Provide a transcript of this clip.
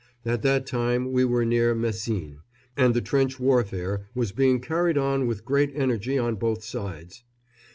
At that time we were near Messines, and the trench warfare was being carried on with great energy on both sides.